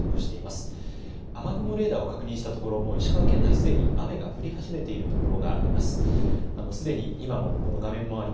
雨雲レーダーを確認したところ石川県内すでに雨が降り始めているところがあります。